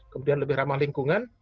kemudian lebih ramah lingkungan